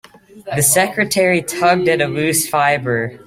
The secretary tugged at a loose fibre.